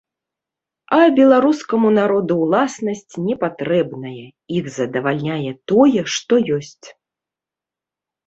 А беларускаму народу ўласнасць не патрэбная, іх задавальняе тое, што ёсць.